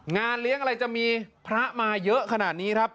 งานเลี้ยงอะไรจะมีพระมาเยอะขนาดนี้ครับ